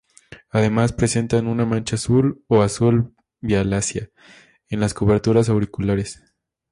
Además presentan una mancha azul o azul violácea en las coberteras auriculares.